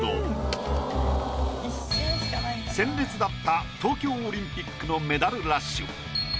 鮮烈だった東京オリンピックのメダルラッシュ。